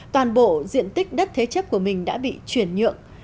toàn bộ diện tích đất thế chấp của mình đã bị chuyển nhượng